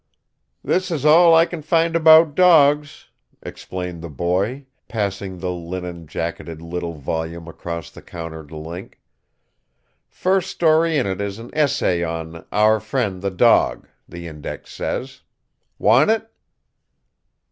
"This is all I can find about dogs," explained the boy, passing the linen jacketed little volume across the counter to Link. "First story in it is an essay on 'Our Friend, the Dog,' the index says. Want it?"